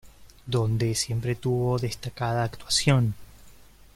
Donde siempre tuvo destacada actuación.